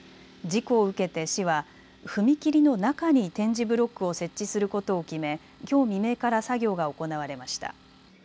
事故を受けて市は踏切の中に点字ブロックを設置することを決め、きょう未明から作業が行われました。